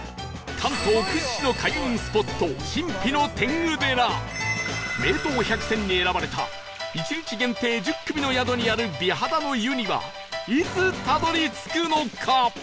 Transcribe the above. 関東屈指の開運スポット神秘の天狗寺名湯百選に選ばれた１日限定１０組の宿にある美肌の湯にはいつたどり着くのか？